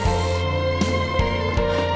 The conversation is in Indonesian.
jangan lupa untuk mencoba